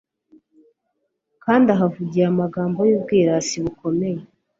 kandi ahavugiye amagambo y'ubwirasi bukomeye